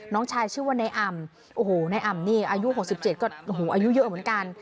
น้องชายชื่อว่านายอำโอ้โหนายอ่ำนี่อายุ๖๗ก็อายุเยอะเหมือนกัน